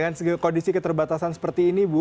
dengan kondisi keterbatasan seperti ini bu